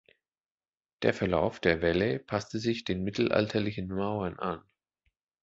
Der Verlauf der Wälle passte sich den mittelalterlichen Mauern an.